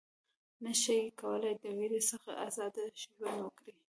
نه شي کولای د وېرې څخه آزاد ژوند وکړي.